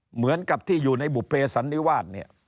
เหมือนกับที่อยู่ในบุภเพสันนิวาสเนี่ย